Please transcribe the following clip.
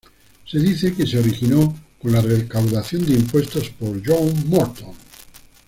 Se dice que se originó con la recaudación de impuestos por John Morton.